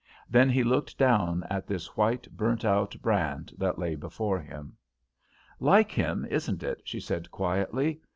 Then he looked down at this white, burnt out brand that lay before him. "Like him, isn't it?" she said, quietly.